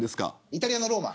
イタリアのローマ。